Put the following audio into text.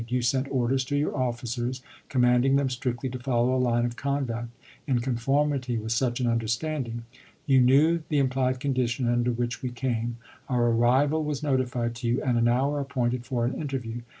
You sent orders to your officers commanding them strictly to follow a line of conduct in conformity with such an understanding. .. You knew the implied condition under which we came ; our arrival was notified to you and an hour appointed for an inter view.